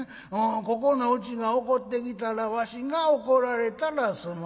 ここのうちが怒ってきたらわしが怒られたらその話。